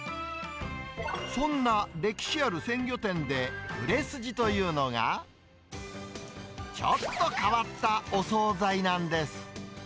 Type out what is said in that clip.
そんな歴史ある鮮魚店で、売れ筋というのが、ちょっと変わったお総菜なんです。